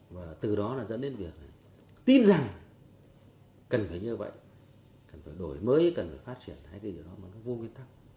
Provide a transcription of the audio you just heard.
và từ đó là dẫn đến việc tin rằng cần phải như vậy cần phải đổi mới cần phải phát triển hay gì đó mà nó vô nguyên thắc